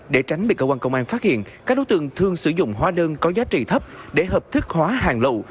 để tránh bị cơ quan công an phát hiện các đối tượng thường sử dụng hóa đơn có giá trị thấp để hợp thức hóa hàng lậu